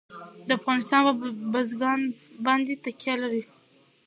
افغانستان په بزګان باندې تکیه لري.